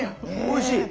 おいしい。